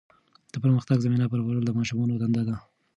د پرمختګ زمینه برابرول د ماشومانو دنده ده.